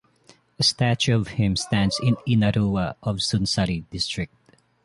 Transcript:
A statue of him stands in Inaruwa of Sunsari District.